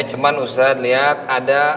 cuma ustaz lihat ada